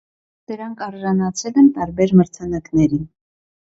Դրանք արժանացել են տարբեր մրցանակների։